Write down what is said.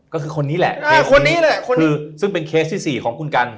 ก็คือคนนี้แหละคนนี้แหละซึ่งเป็นเคสที่สี่ของคุณกัน